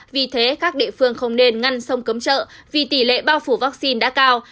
vì thế các địa phương không nên ngăn sông cấm chợ vì tỷ lệ bao phủ vaccine đã cao